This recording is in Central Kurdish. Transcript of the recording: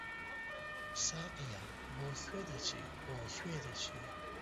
ساقییا! بۆ کوێ دەچی، بۆ کوێ دەچی؟